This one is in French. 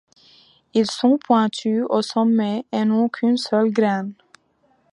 Ils sont pointus au sommet et n’ont qu’une seule graine.